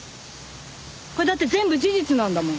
これだって全部事実なんだもん。